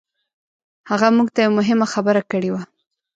هغه موږ ته يوه مهمه خبره کړې وه.